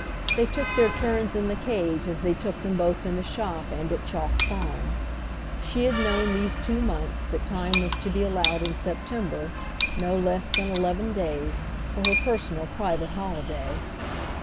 They took their turns in the cage as they took them both in the shop and at Chalk Farm; she had known these two months that time was to be allowed in September—no less than eleven days—for her personal private holiday.